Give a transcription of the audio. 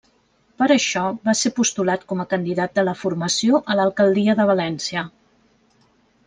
Per això, va ser postulat com a candidat de la formació a l'alcaldia de València.